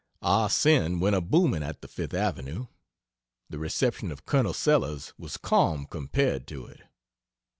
"Ah Sin" went a booming at the Fifth Avenue. The reception of Col. Sellers was calm compared to it.